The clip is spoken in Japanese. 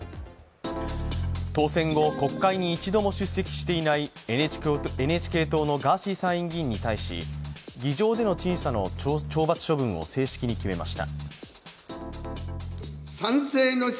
当選後、国会に一度も出席していないＮＨＫ党のガーシー参院議員に対し議場での陳謝の懲罰処分を正式に決めました。